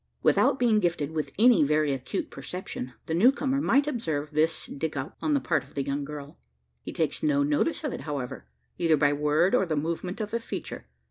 Without being gifted with any very acute perception, the new comer might observe this degout on the part of the young girl. He takes no notice of it however either by word, or the movement of a feature.